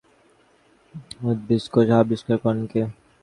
সর্বপ্রথম উদ্ভিদকোষে নিউক্লিয়াস আবিষ্কার করেন কে?